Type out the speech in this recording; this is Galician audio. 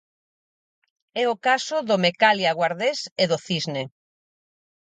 É o caso do Mecalia Guardés e do Cisne.